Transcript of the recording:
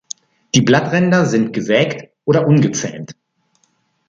Die Blattränder sind gesägt oder ungezähnt.